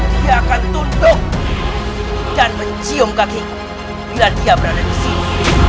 dia akan tunduk dan mencium kaki bila dia berada di sini